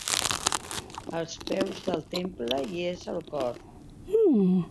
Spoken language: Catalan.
Als peus del temple hi és el cor.